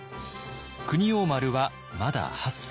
国王丸はまだ８歳。